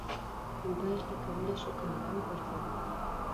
موبایل کې کولی شو کمره وګرځوو.